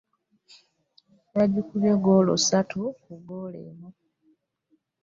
Yagikubye ggoolo ssatu ku ggolo emu